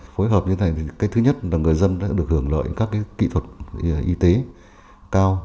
phối hợp như thế này thì cái thứ nhất là người dân đã được hưởng lợi các cái kỹ thuật y tế cao